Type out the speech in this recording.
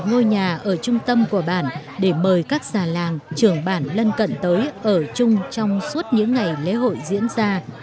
mọi người có thể lấy một cái nhà ở trung tâm của bản để mời các gia làng trưởng bản lân cận tới ở chung trong suốt những ngày lễ hội diễn ra